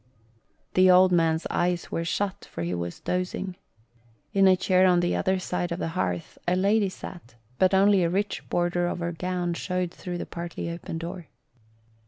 The old man's eyes were shut, for he was dozing. In a chair on the other side of the hearth a lady sat, but only the rich border of her gown showed through the partly open door.